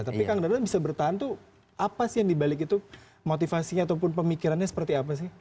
tapi kang dadan bisa bertahan tuh apa sih yang dibalik itu motivasinya ataupun pemikirannya seperti apa sih